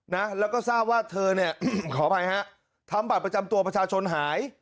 นะแล้วก็ทราบว่าเธอเนี่ยขออภัยฮะทำบัตรประจำตัวประชาชนหาย